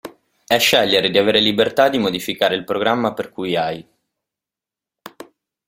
E' scegliere di avere libertà di modificare il programma per cui hai.